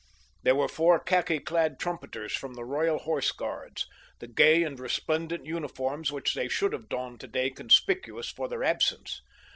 There were four khaki clad trumpeters from the Royal Horse Guards, the gay and resplendent uniforms which they should have donned today conspicuous for their absence.